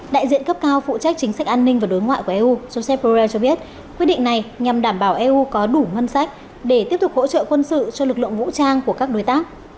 đại diện cấp cao phụ trách chính sách an ninh và đối ngoại của eu josepher cho biết quyết định này nhằm đảm bảo eu có đủ ngân sách để tiếp tục hỗ trợ quân sự cho lực lượng vũ trang của các đối tác